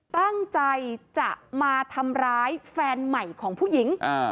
ตั้งใจจะมาทำร้ายแฟนใหม่ของผู้หญิง